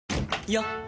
よっ！